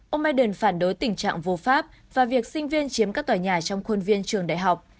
ông biden phản đối tình trạng vô pháp và việc sinh viên chiếm các tòa nhà trong khuôn viên trường đại học